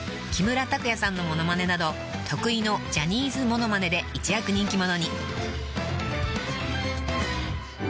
木村拓哉さんの物まねなど得意のジャニーズ物まねで一躍人気者に］